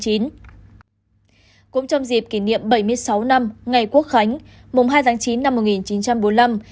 cũng trong dịp kỷ niệm bảy mươi sáu năm ngày quốc khánh mùng hai tháng chín năm một nghìn chín trăm bốn mươi năm